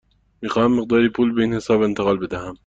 می خواهم مقداری پول به این حساب انتقال بدهم.